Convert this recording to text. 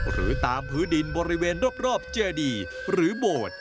หรือตามพื้นดินบริเวณรอบเจดีหรือโบสถ์